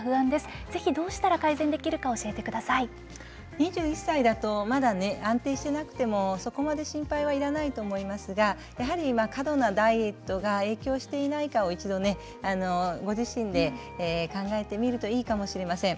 ２１歳だとまだね安定してなくてもそこまで心配はいらないと思いますがやはり過度なダイエットが影響していないかを一度ねご自身で考えてみるといいかもしれません。